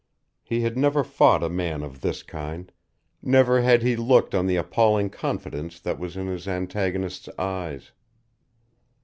He had never fought a man of this kind; never had he looked on the appalling confidence that was in his antagonist's eyes.